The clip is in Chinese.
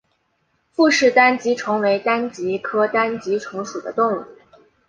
傅氏单极虫为单极科单极虫属的动物。